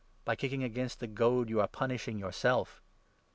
By kicking against the goad you are punishing yourself.'